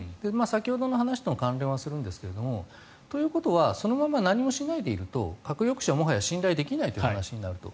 先ほどの話と関連はするんですがということはそのまま何もしないでいると核抑止は、もはや信頼できないという話になると。